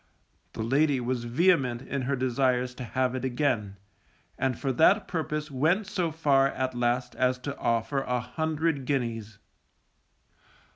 The lady was vehement in her desires to have it again, and for that purpose went so far at last as to offer an hundred guineas.